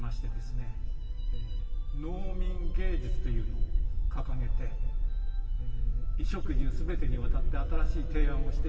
農民藝術というのを掲げて衣食住全てにわたって新しい提案をしていくわけです。